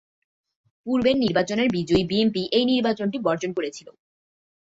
পূর্বের নির্বাচনের বিজয়ী বিএনপি এই নির্বাচনটি বর্জন করেছিল।